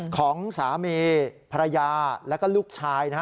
ของสามีภรรยาแล้วก็ลูกชายนะฮะ